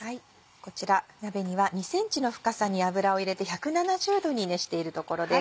こちら鍋には２ｃｍの深さに油を入れて１７０℃に熱しているところです。